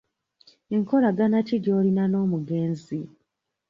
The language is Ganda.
Enkolagana ki gy'olina n'omugenzi?